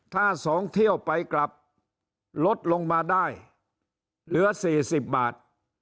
ถ้า๒เที่ยวไปกลับลดลงมาได้เหลือ๔๐บาท